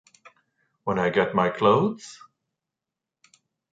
When I get my clothes?